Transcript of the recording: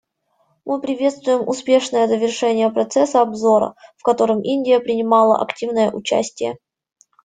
Мы приветствуем успешное завершение процесса обзора, в котором Индия принимала активное участие.